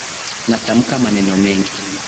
Natamka maneno mengi